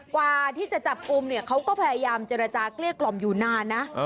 กว่าที่จะจับอุ้มเค้าก็พยายามเจรจากลี๊กกล่อมอยู่นานนะ